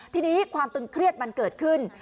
ทีนี้ความตึงเครียดมันเกิดขึ้น